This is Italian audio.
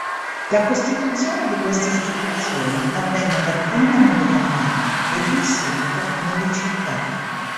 La costituzione di queste istituzioni, avvenne dapprima nelle campagne ed in seguito nelle città.